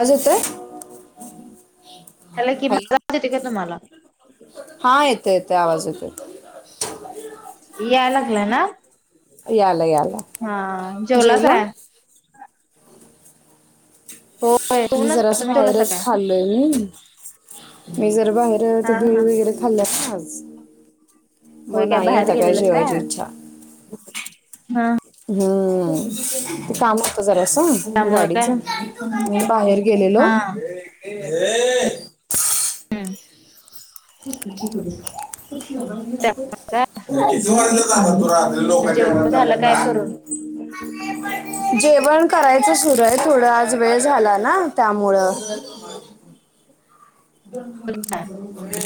आवाज येतोय? झाला की माझा हॅलो आवाज येतोय का तुम्हाला? हा येतो येतो. ते आवाज येतोय. याय लागलाय ना? यालय यालय. हा जेवलास काय? होय मी जेवूनच जरा असं तुम्ही जेवलासा बाहेरच काय? खाल्लेले मी मी जर बाहेर आ हा ते भेळ हा वगैरे खाल्ल् ना आज. मग होय काय नाही बाहेर अता काय गेलेलास जेवायची इच्छा. हा हम्म ते काम त्यामुळं काय? गाडीतून [unintelligible] बाहेर हा गेलेलो ये... हम् त्यामुळं काय [unintelligible] र किती वाजलं झालं तु लो [unintelligible] मग कांच्या म जेवण झालं काय झाल्या करून? जी [unintelligible] पण करायचं सुरू आहे थोडा आज वेळ झाला ना त्यामुळ नाही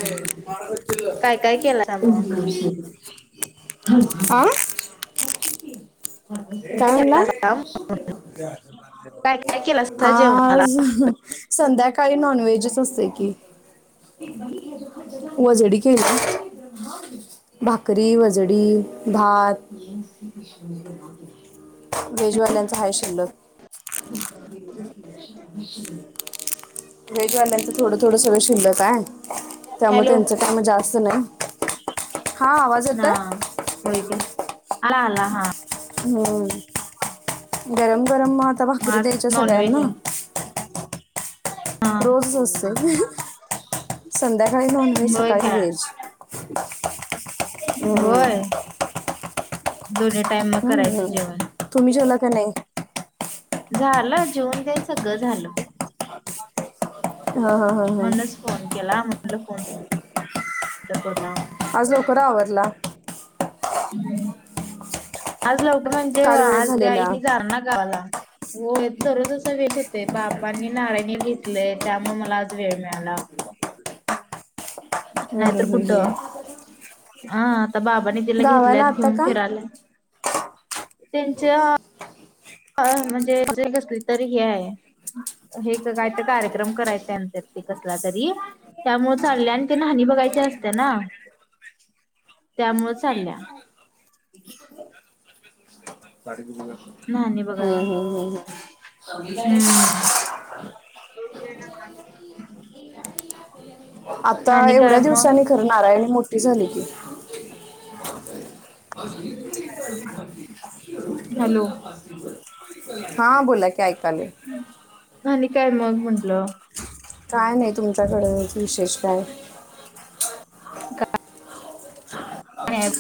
काय काय केलासा मग? [unintelligible] आं काय म्हणाला? काय काय केलासा जेवणाला? आज अ हं संध्याकाळी नॉनव्हेजच असतेय. हो [inaudible] भाकरी वजडी भात. शाकाहारी आहे शिल्लक. व्हेज वाल्यांचा थोडं थोडं सगळं शिल्लत आहे, त्यामुळे हॅलो त्यांचं काम जास्त नाही. हा आवाज येत हा आहे हो का आला हा हम्म गरम- गरम मग आता भाकरी आज द्यायच्या नॉनव्हेज सगळ्यांना आहे. हा रोज सते [unintelligible] संध्याकाळी नॉन व्हेज होय सकाळी काय? व्हेज हम्म. होय. दोन्ही टाइम मग करायचं हम्म. जेवण. तुम्ही जेवला का नाही? झालं जेऊन तेन सगळं झालं हा हा हा हा म्हणूनच फोन केला म्हणलं फोन तर करूया. आज लवकर आवरल? आज लवकर म्हणजे काल वेळ झालेला आजी हम्म, जाणार ना गावाला. होय. दररोज असा वेळच होतय बाबांनी नारायणी ला घेतले आहे, त्यामुळे मला आज वेळ मिळाला [inaudible] हम नाहीतर ह- कुठं हो- हो. हा आता बाबांनी तिला घेतल्यात आता घेऊन का? फिरायल्यात. त्यांच्या म्हणजे घरी कसली तर हे आहे हे काय कार्यक्रम करायचा आहे, ते कसला तरी त्यामुळे चालले आणि ते नाहानी. बघायच्या असते ना. त्यामुळ चालल्या. न्हाणी हम्म बघायला हम्म हम्म हम्म. हम्म. आता आणि काय एवढ्या मग दिवसानी खरं नारायणी मोठी झाली की. हॅलो. हा बोला कि ऐकालोय आणि काय मग म्हटलं काय नाही तुमच्याकडेच विशेष काय का नाही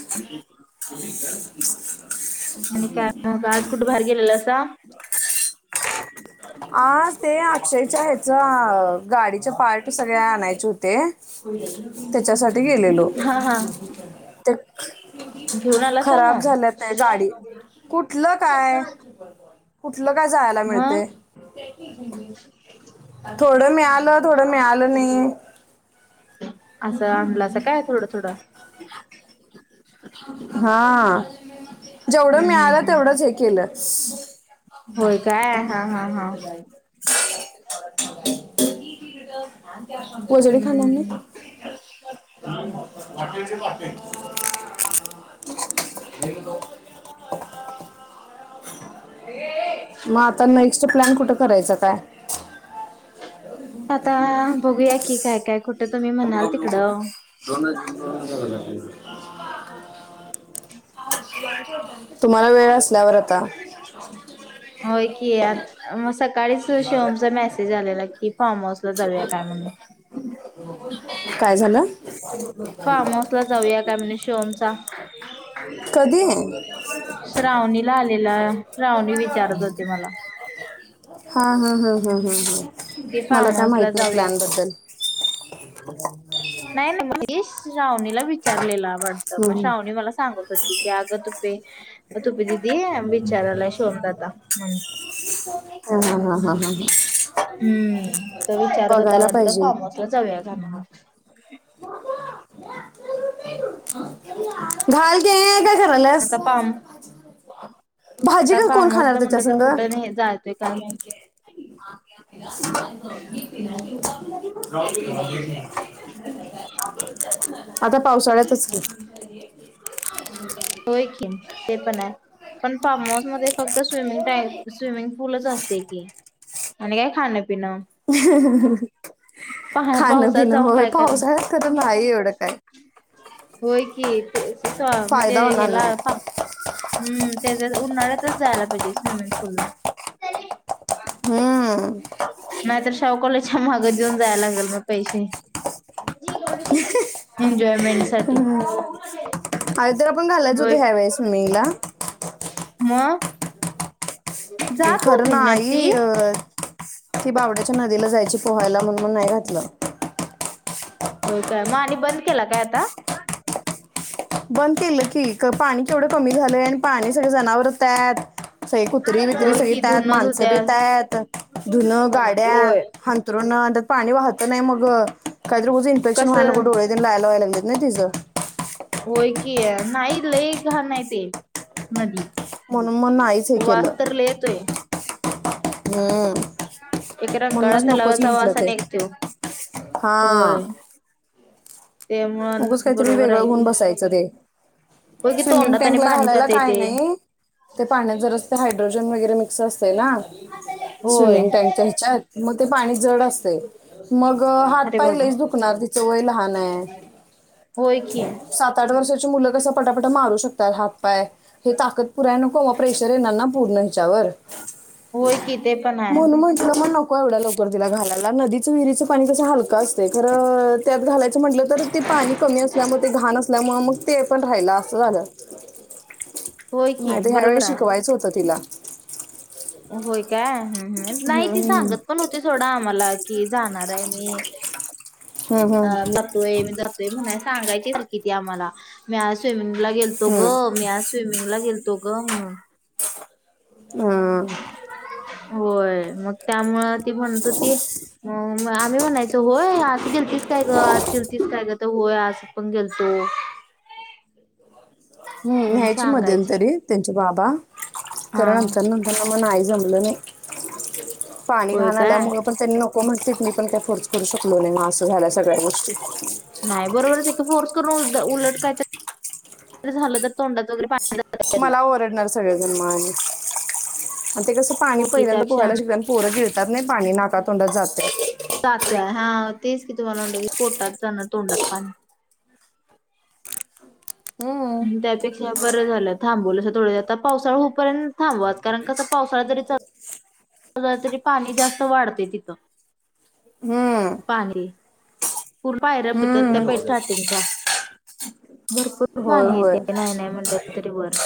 आणि काय मग आज कुठे बाहेर गेलेलासा ते अक्षयच्या आहेत गाडीचे पार्ट सगळे आणायचे होते त्याच्यासाठी गेलेलो हा हा ते घेऊन आलासा खराब मग झाल्यात आहे गाडी कुठलं काय कुठलं काय जायला मग मिळतंय थोडं मिळालं थोडं मिळालं नाही असं आणलासा काय थोडं थोडं हा हम्म जेवढं हम्म मिळालं हम्म तेवढंच हे केलं होय काय हा हा हा [unintelligible] वेडी खाणार नाही हम्म [unintelligible] मग आता नेक्स्ट प्लॅन कुठे करायचं काय आता बघूया की काय काय कुठं तुम्ही म्हणाल तिकडं दोन [unintelligible] तुम्हाला वेळ असल्यावर आता होय की मग सकाळीच शिवमचा मेसेज आलेला की फॉर्म हऊस जाऊया काय म्हणून काय झालं फार्म हाऊस ला जाऊया काय म्हणे शिवमचा. कधी हा श्रावणीला आलेला श्रावणी विचारत होती मला. हा हा हा हा हा हा. ते मला फार्म काय हाऊस. ला माहित नाही जाऊया प्लॅन बद्दल. नाही नाही श्रावणी [unintelligible] विचारलेला वाटतं मग हम्म. श्रावणी मला सांगत होती की, अगं तुपे तुपे दिदि. विचारालाय शिवम दादा. हा हा हा हा हा हा. हम्म तर विचारत होता, बघायला वाटतं पाहिजे फार्म हाऊसला जाऊया काय म्हणून. [unintelligible] [unintelligible] घाल ते एक काय करायल्यास. आता फार्म भाजी आता का कोण फार्म हाऊस खाणार ला म्हटलं तर त्याच्यासंग. कुठं नाही जातोय काय माहिती [unintelligible] [unintelligible] आता पावसाळ्यातच की. होय की, ते पण आहे, पण फार्म हाऊस मध्ये फक्त स्विमिंग टाय. स्विमिंग पूलच असते की, आणि काय खा ह ह ह ह अ. पा खाणं पावसात पिणं जाऊन होय काय करणार पाऊसाळ्यात तर नाही एवढं काय. होय की तेच सा म्हणजे फायदा होणार ह्याला नाही पा हम् त्याच्या उन्हाळ्यात. जायला पाहिजे स्विमिंग पूल ला. हम्म. नाहीतर शाहू कॉलेजच्या माग देऊन जायला लागेल मग पैसे. एन्जॉयमेंट साठी. त्याला पण घालायच होतो, होय ह्या वेळेस स्विमिंगला. मग जात खरं होती ना आई ती. अ. ती बावड्याच्या नदीला जायची पोहायला म्हणून नाही घातलं. हो काय मग आणि बंद केला काय आता. बंद केलं की, पाणी तेवढं कमी झालंय आणि पाणी सगळ जनावर त्यात. सग कुत्री बित्री होय की सगळीत आहेत धुन माणसं धुत्या बतायत धुन गाड्या होय. हंतरुण पाणी वाहतं नाही मग काहीतरी इन्फेक्न्हाय कसं नं डोळे लायला वयल्यात. ेत ना तिझ [unintelligible] होय की नाही लय घाण हाय ते नदी. म्हणून मग नाहीच हे वास्तरलेय येतोय. हम एक रंकाळा म्हणूनच नकोच तलावाचा म्हटलं वास ते. आणि एक त्यो हा. होय. ते म्हण उगाच काहीतरी बरोबर वेगळं आहे होऊन की बसायचं ते. होय की स्विमिंग तोंडात आणि टॅंक ला पाणी घालायला जातंय काय ते. नाही ते पाण्यात जरच ह्याड हायड्रोजन वगैरे मिक्स असते ना होय स्विमिंग टँकच्या ह्याच्यात मग. ते पाणी जड असते मग हात अरे बाबा पाहिलंहीच दुखणार तिचं वय लहान आहे. होय की सात आठ वर्षाची मुलं कस पटापट मारू शकतात हात पाय. हे ताकद पुराय नको प्रेशर येणार ना पूर्ण ह्याच्यावर. होय कि ते पण आहे. म्हणून म्हटलं मग नको एवढ्या लवकर तला घालायला नदीच विरीच पाणी कसं हलकां असतेय खर त्यात घालायचं म्हटलं तर ते. हे असल्यामुळे ते घण असल्यामुळे मग ते पण राहिलं असं झालं. होय की मात ह्या वेळी बरोबर आहे शिकवायचं होतं तिला. होय काय. ह हम्म नाही ती सांगत हम्म पण होती थोडं सोडा आम्हाला कि, जाणार आहे मी. हम्म हम्म अं जतोय मी जतोय म्हणाय सांगायची सार कि त आम्हाला मी आ स्विमिंग ला गेलतो ग मी आज स्विमिंगला गेलतो ग म्हण हम् होय म त्यामुळ ती म्हणतो ती म आम्ही म्हणायचो होय असं गेलतीच काय ग आज गिलतीस का तर होय असं पण गेलतो हम् म्हणून या्यायच सांगायची मध्येनंतरी त्यांच्या बाबा हा कारण नंतर नंतर मच नाही पाणी होय घाण काय आल्यामुळे पण त्यां म्हटतेती पण काही फोर्स करू शकलो नाही म असं झाल्या सगळ्या गोष्टी नाही बरोबरच एक फोर्स करून उलट काय तर झालं तर तोंडात वगैरे पाणी जातं आधीच. मला ओरडणार सगळेजण्मा आणि ते कसं पाणी हो की पहिल्यांदा त्यापेक्षा पोहायला शिक पोरं गिळतात नाही पाणी नाकातोंडात जातात तात्या हा तेच की तुम्हाला म्हलं की कोोटातण तोंडात पाणी हम्म त्यापेक्षा बरं झालं थांबवलं अस थोडं आता पावसाळा होपर्यंत थांबवाच कारण कस पावसाळा जरी च तरी पाणी जास्त वाढते तिथं हम्म पूर पाहेर बितात त्या प हम्म स्टार्टिंगच्या भरपूर होय पाणी होय येते नाही नाही म्हणलं तरी वर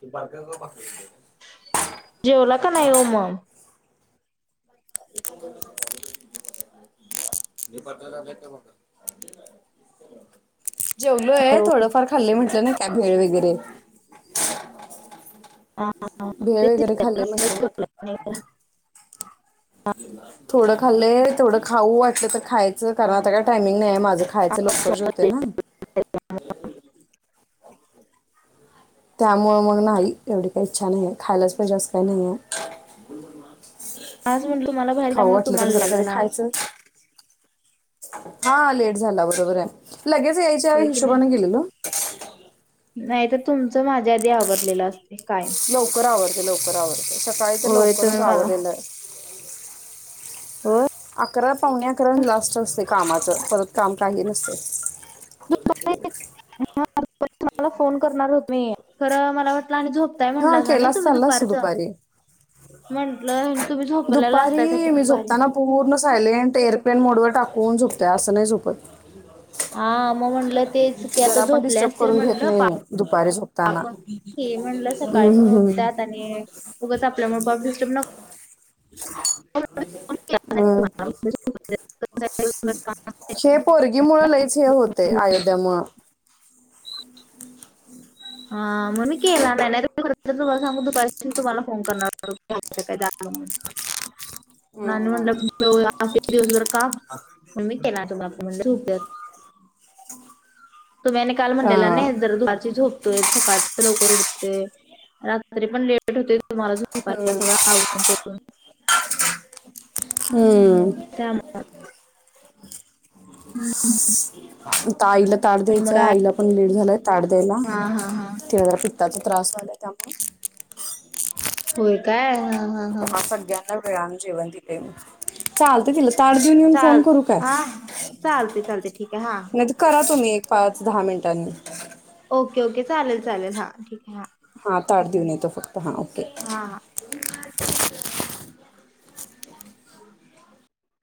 क बर बस जेवला का नाही हो मग [unintelligible] मी पटला नाही का मग जेवलोय हो. थोडंफार खाल्ले म्हटलं ना काय भेळ वगैरे हा, भेळ तेच वगैरे विचारलं. खाल्ले. म्हणलं मस्त झालेत. जेवला का नाही. थोडं खालय. थोडं खाऊ वाटलं तर खायचं कारण आता काय टायमिंग नाही माझं खायचं. लवकरच जेवतोय ना.. त्यामुळे मग नाही. एवढी काही इच्छा नाही आहे खायलाच पाहिजे असं काही नाहीये आज म्हणलं तुम्हाला बाहेर खाऊ गेल्यामुळे वाटलं तर तुम्हाला जरा लेट कायतर झाला खायच. हा लेट झाला बरोबर आहे. लगेच यायच्या होय की नाही हिशोबाने गेलेलो. नाही तर तुमचं माझ्या आधी आवरलेलं असतंय. लवकर आवरतय. लवकर आवरतय. सकाळी तर होय तुम्ही लवकरच मला आवरलेल. होय अकरा पावणे अकरा लास्ट असते कामाचं परत काम काही नसते. [unintelligible] तुम्हाला फोन करणार खरं मला वाटलं आणि झोपताय हा म्हंटलासा ना केलास तुम्ही चालला असतो दुपारचं दुपारी म्हंटलं तुम्ही झोपलेला असतायसा की दुपारी मी दुपारी. झोपताना पूर्ण सायलेंट एअरप्लेन मोडवर टाकून झोपतोय. असं नाही झोपत. हा मग म्हणलं तेच की जरा आता आपण झोपले डिस्टर्ब असतील करून घेत म्हणलं नाही पा मी दुपारी झोप ताना आपण की म्हणलं हम् सकाळी पण हम् उठतात आणि उगच आपल्यामुळे पाप डिस्टर्ब नको हम हे पोरगी मुळ लईच हे होते. अयोध्यामुळं हा म्हणून केला नाही नाहीतर मी तर तुम्हाला सांगू दुपारपासून तुम्हाला फोन करणार होतो जायचं काय म्हणून? आणि म्हणल हम्म दिवसभर काम म्हणून मी केला नाही. तर मग आता म्हणले झोपते आता. तुम्ही आणि काल अ म्हंटलेला नाही दुपारची जरा झोपतोय सकाळच लवकर उठतोय. रात्री पण लेट होते. तुम्हाला झोपायला. सगळं आवून करून त्यामुळे हम्म. स्स्स आईला ताट मग द्यायचंय आहे. काय आईला पण लेट झालाय ताट द्यायला. हा हा हा तेिला जरा पिट पित्ताचा त्रास व्हायलाय त्यामुळे होय काय हा हा हा. मग वेळाने जेवण दिलंय. चालत तिला ताट देऊन येऊन चाल फोन करू काय? हा हा चालते चालते ठीक आहे हा. नाहीतर करा तुम्ही एक पाच दहा मिनटांनी ओके ओके चालेल चालेल हा ठीक आहे हा. हा ताट देऊन येतो फक्त हा ओके. हा हा. [inaudible]